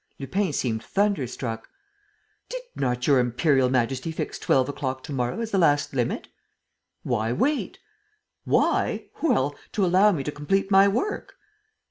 Lupin seemed thunderstruck: "Did not Your Imperial Majesty fix twelve o'clock to morrow as the last limit?" "Why wait?" "Why? Well, to allow me to complete my work!"